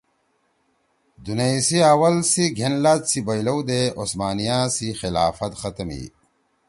دونیئی سی اول سی گھین لات سی بیئلؤدے عثمانیہ خلافت ختم ہی